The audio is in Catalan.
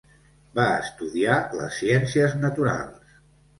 Va estudiar les Ciències naturals.